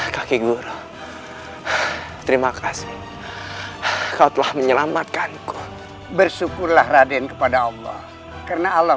kaki guru terima kasih kau telah menyelamatkan ku bersyukurlah raden kepada allah karena allah